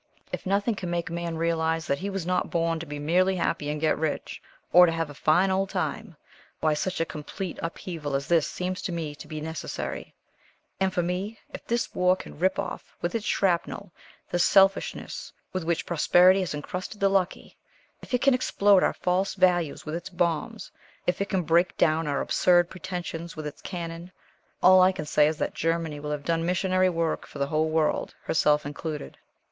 If nothing can make man realize that he was not born to be merely happy and get rich, or to have a fine old time, why, such a complete upheaval as this seems to me to be necessary, and for me if this war can rip off, with its shrapnel, the selfishness with which prosperity has encrusted the lucky: if it can explode our false values with its bombs: if it can break down our absurd pretensions with its cannon, all I can say is that Germany will have done missionary work for the whole world herself included."